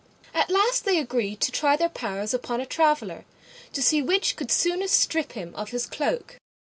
At last they agreed to try their powers upon a traveller, to see which could soonest strip him of his cloak.